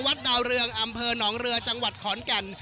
ดาวเรืองอำเภอหนองเรือจังหวัดขอนแก่น